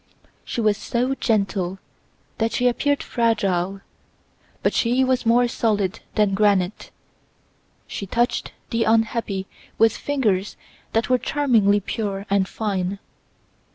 She was so gentle that she appeared fragile; but she was more solid than granite. She touched the unhappy with fingers that were charmingly pure and fine.